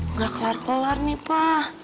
nggak kelar kelar nih pak